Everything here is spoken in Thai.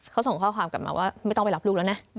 เขาส่งข้อความกลับมาว่าไม่ต้องไปรับลูกแล้วนะ